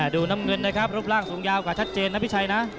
ดูน้ำเงินนะครับรูปร่างสูงยาวกว่าชัดเจนนะพี่ชัยนะ